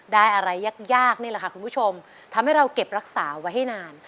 ได้อะไรยากยากนี่แหละค่ะคุณผู้ชมทำให้เราเก็บรักษาไว้ให้นาน